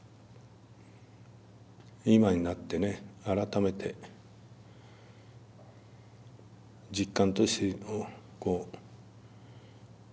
今になってね改めて実感としてこう思いますよ。